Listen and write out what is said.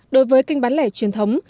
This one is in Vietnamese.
đối với kinh bán lẻ truyền thống